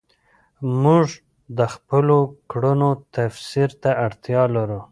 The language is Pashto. موږ د خپلو کړنو تفسیر ته اړتیا لرو.